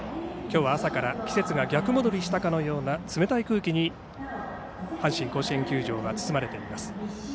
今日は朝から季節が逆戻りしたかのような冷たい空気に阪神甲子園球場は包まれています。